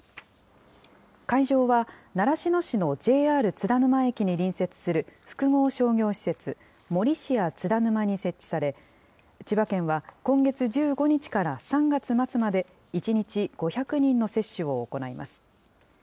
会場は習志野市のＪＲ津田沼駅に隣接する複合商業施設、モリシア津田沼に設置され、千葉県は今月１５日から３月末まで、１日５００人の接種を行います。